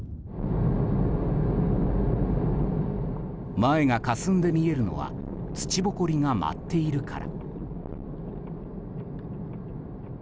前がかすんで見えるのは土ぼこりが舞っているから。